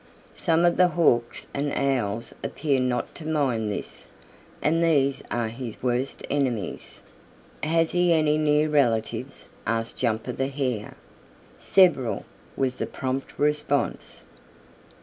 Some of the Hawks and Owls appear not to mind this, and these are his worst enemies." "Has he any near relatives?" asked Jumper the Hare. "Several," was the prompt response.